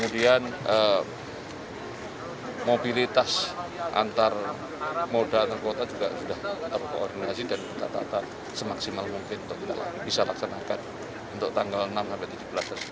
dan mobilitas antar moda antar kota juga sudah terkoordinasi dan kita tatap semaksimal mungkin untuk kita bisa laksanakan untuk tanggal enam sampai tujuh belas